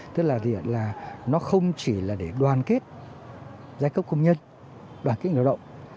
tức là nó không chỉ là để đoàn kết giai cấp công nhân đoàn kết người lao động